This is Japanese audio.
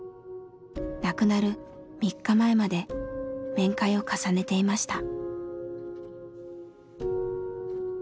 亡くなる３日前まで面会を重ねていました。